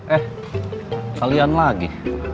eh kalian lagi